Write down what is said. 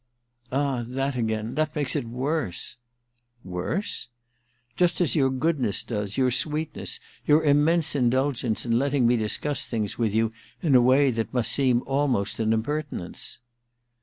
* Ah, that again — that makes it worse !'* Worse ?•* Just as your goodness does, your sweetness, your immense indulgence in letting me discuss things with you in a way that must seem almost an impertinence.'